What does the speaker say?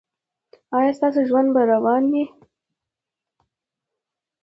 ایا ستاسو ژوند به روان وي؟